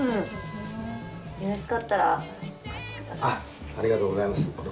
ありがとうございます。